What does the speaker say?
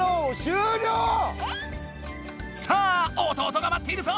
さあ弟がまっているぞ！